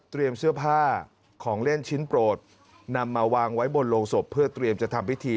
เสื้อผ้าของเล่นชิ้นโปรดนำมาวางไว้บนโรงศพเพื่อเตรียมจะทำพิธี